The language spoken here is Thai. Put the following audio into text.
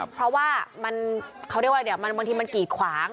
เพราะว่าเขาเรียกว่าอะไรเดี๋ยวบางทีมันกีดขวาง